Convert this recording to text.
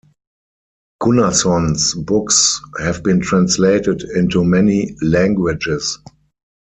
Gunnarsson's books have been translated into many languages.